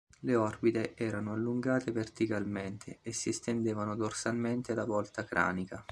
Le orbite erano allungate verticalmente, e si estendevano dorsalmente alla volta cranica.